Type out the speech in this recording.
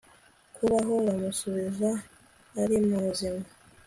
Kubaho Bamusubiza ari muzima